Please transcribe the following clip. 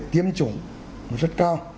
tiêm chủng rất cao